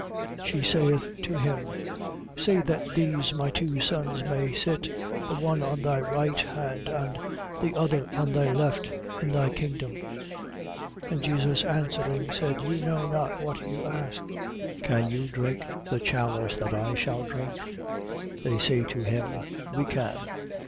She saith to him: say that these my two sons may sit, the one on thy right hand, and the other on thy left, in thy kingdom. 20:22. And Jesus answering, said: You know not what you ask. Can you drink the chalice that I shall drink? They say to him: We can.